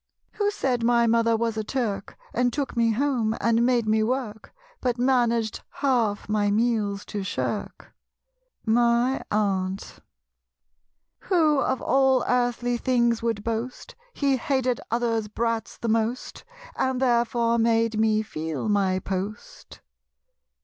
Who said my mother was a Turk, And took me home and made me work, But managed half my meals to shirk? My Aunt. Who "of all earthly things" would boast, "He hated others' brats the most," And therefore made me feel my post?